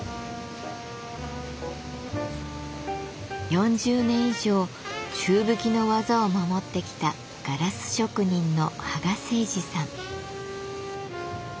４０年以上宙吹きの技を守ってきたガラス職人の芳賀清二さん。